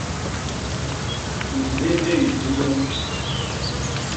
Libéndéñ li yom.